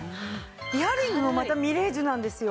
イヤリングもまたみれい珠なんですよ。